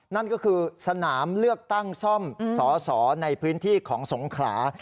นั่นก็คือสนามเลือกตั้งซ่อมสสในพื้นที่ของสงขลา